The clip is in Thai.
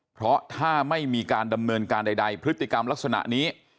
เพราะถ้าไม่มีการดำเนินการใดพฤติกรรมลักษณะนี้